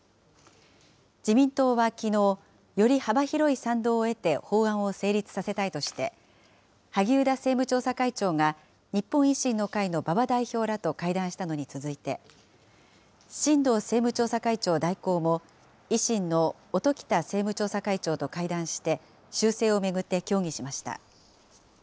自民党はきのう、より幅広い賛同を得て法案を成立させたいとして、萩生田政務調査会長が、日本維新の会の馬場代表らと会談したのに続いて、新藤政務調査会長代行も、維新の音喜多政務調査会長と会談して、修正を巡って協議しました。